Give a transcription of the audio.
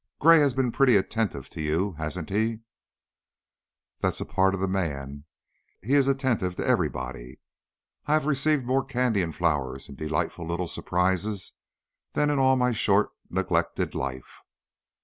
Gray has been pretty attentive to you, hasn't he?" "That's a part of the man; he is attentive to everybody. I have received more candy and flowers and delightful little surprises than in all my short, neglected life."